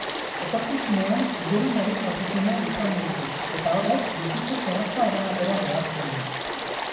Etorkizunean igerilari profesional izan nahi du eta horrek bizitza zorrotza eramatera behartzen du.